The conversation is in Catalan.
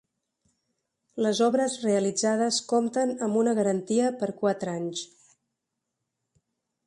Les obres realitzades compten amb una garantia per quatre anys.